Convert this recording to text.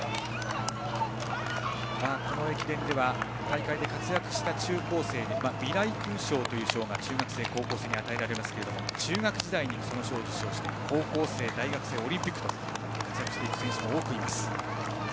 この駅伝では大会で活躍した中高生に賞が、中学生や高校生に与えられますけども中学時代にその賞を受賞して高校生、大学生、オリンピックと活躍している選手も多くいます。